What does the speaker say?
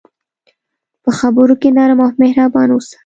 په خبرو کې نرم او مهربان اوسه.